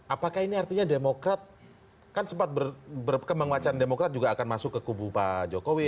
apakah ini artinya demokrat kan sempat berkembang wacana demokrat juga akan masuk ke kubu pak jokowi